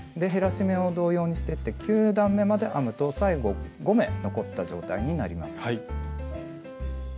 減らし目を同様にしていって９段めまで編むと最後５目残った状態になります。